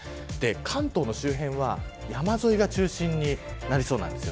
関東の周辺は山沿いが中心になりそうです。